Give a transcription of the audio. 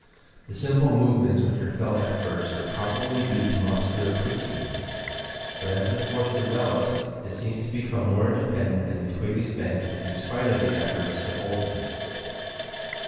The simple movements which are felt at first are probably due to muscular twitchings, but aa the force develops it seems to become more independent and the twig is bent in spite of the efforts to hold it.